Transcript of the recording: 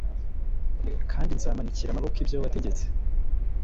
Kandi nzamanikira amaboko ibyo wategetse